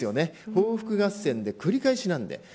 報復合戦で繰り返しなので。